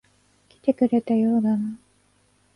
来てくれたようだな。